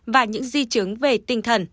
và những di chứng về tinh thần